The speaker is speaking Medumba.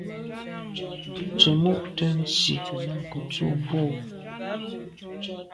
Tsemo’ te ntsi tu bo.